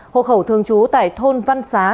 hộ khẩu thường trú tại thôn văn xá